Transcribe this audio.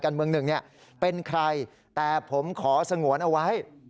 การเมืองหนึ่งเนี่ยเป็นใครแต่ผมขอสงวนเอาไว้